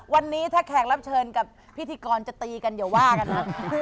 วันนี้ถ้าแขกรับเชิญกับพิธีกรจะตีกันอย่าว่ากันนะ